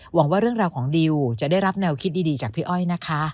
หวังว่าเรื่องราวของดิวจะได้รับแนวคิดดีจากพี่อ้อยนะคะ